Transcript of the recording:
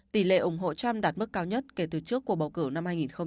tỷ lệ ủng hộ trump đạt mức cao nhất kể từ trước cuộc bầu cử năm hai nghìn một mươi sáu